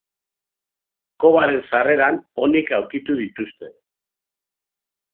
Kobaren sarreran onik aurkitu dituzte.